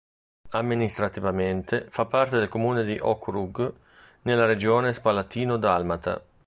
Amministrativamente fa parte del comune di Okrug, nella regione spalatino-dalmata.